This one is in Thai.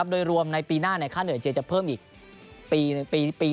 โดยรวมในปีหน้าค่าเหนื่อยเจจะเพิ่มอีก